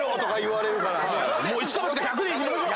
もうイチかバチか１００でいきましょう。